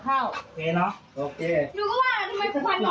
โอ้เย็นมันแค่เดียวเข้า